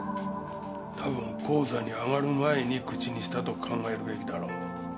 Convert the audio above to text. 多分高座に上がる前に口にしたと考えるべきだろう。